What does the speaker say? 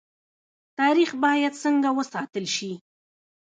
تاریخ باید څنګه وساتل شي؟